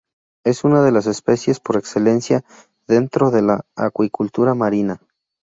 Es una de las especies por excelencia dentro de la acuicultura marina.